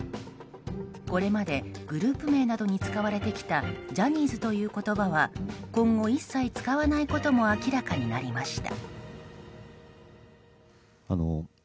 これまでグループ名などに使われてきたジャニーズという言葉は今後一切、使わないことも明らかになりました。